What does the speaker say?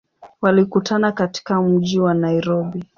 Walikutana katika mji wa Nairobi.